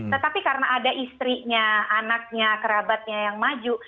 tetapi karena ada istrinya anaknya kerabatnya yang maju